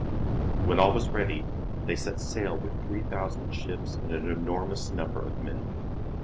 When all was ready they set sail with three thousand ships and an enormous number of men.